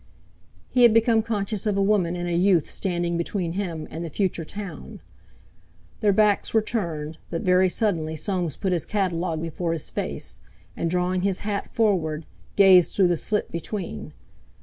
He had become conscious of a woman and a youth standing between him and the "Future Town." Their backs were turned; but very suddenly Soames put his catalogue before his face, and drawing his hat forward, gazed through the slit between.